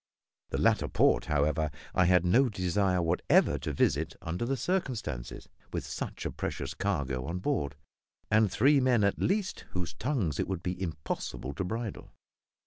The latter port, however, I had no desire whatever to visit under the circumstances, with such a precious cargo on board, and three men at least whose tongues it would be impossible to bridle.